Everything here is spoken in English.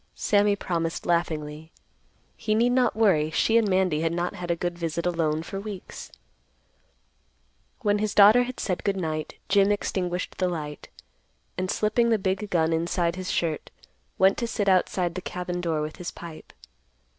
Sammy promised laughingly. He need not worry; she and Mandy had not had a good visit alone for weeks. When his daughter had said good night, Jim extinguished the light, and slipping the big gun inside his shirt went to sit outside the cabin door with his pipe.